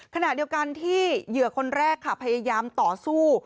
ขณะเดียวกันที่เหยื่อคนแรกค่ะพยายามต่อสู้